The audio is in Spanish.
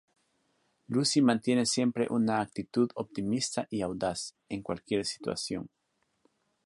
Lucy mantiene siempre una actitud optimista y audaz, en cualquier situación.